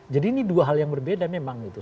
jadi ini dua hal yang berbeda memang gitu